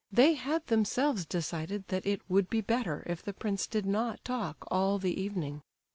They had themselves decided that it would be better if the prince did not talk all the evening.